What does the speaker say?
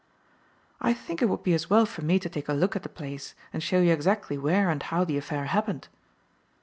"I think it would be as well for me to take a look at the place and show you exactly where and how the affair happened."